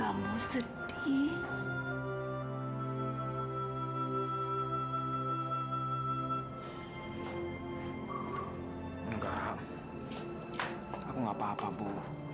aku gak apa apa bu